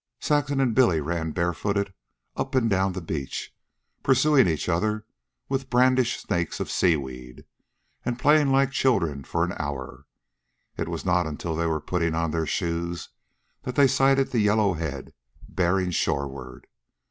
Saxon and Billy ran barefooted up and down the beach, pursuing each other with brandished snakes of seaweed and playing like children for an hour. It was not until they were putting on their shoes that they sighted the yellow head bearing shoreward.